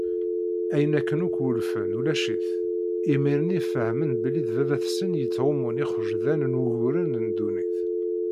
Ayen akken akk wulfen, ulac-it, imir-nni fehmen belli d baba-tsen i yettɣummun ixejḍan n wuguren n ddunit.